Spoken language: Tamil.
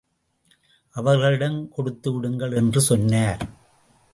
அவர்களிடம் கொடுத்து விடுங்கள் என்று சொன்னார்.